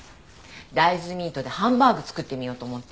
大豆ミートでハンバーグ作ってみようと思って。